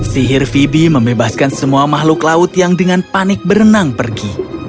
sihir phobi membebaskan semua makhluk laut yang dengan panik berenang pergi